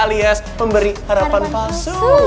alias pemberi harapan palsu